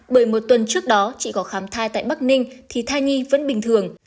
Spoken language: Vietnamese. bởi một tuần trước đó chị có khám thai tại bắc ninh thì thai nhi vẫn bình thường